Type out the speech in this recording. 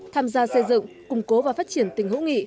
tham gia xây dựng củng cố và phát triển tình hữu nghị